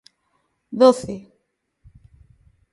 ¡Doce!